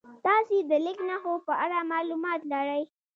تاسې د لیک نښو په اړه معلومات لرئ؟